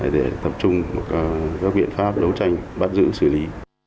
để tập trung các biện pháp đấu tranh bắt giữ xử lý